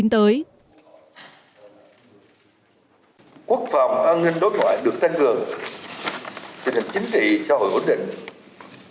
phải được tăng cường trên hình chính trị xã hội ổn định